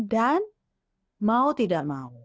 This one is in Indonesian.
dan mau tidak mau